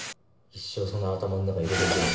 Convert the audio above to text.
一生その頭ん中入れとけよ。